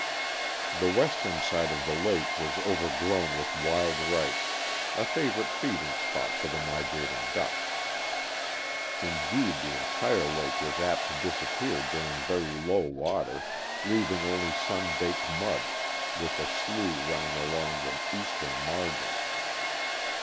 The western side of the lake was overgrown with wild rice, a favorite feeding spot for the migrating ducks. Indeed, the entire lake was apt to disappear during very low water, leaving only sun baked mud with the slough running along the eastern margin.